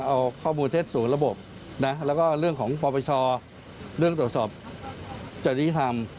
เอาข้อมูลเท็จสู่ระบบนะแล้วก็เรื่องของปปชเรื่องตรวจสอบจริยธรรม